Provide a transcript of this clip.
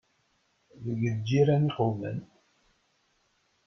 Deg lǧiran i qewmen.